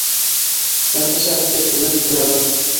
Ярты сәғәттән күмеп ҡуябыҙ!